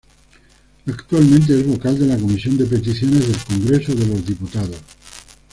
Actualmente es vocal de la comisión de Peticiones del Congreso de los Diputados.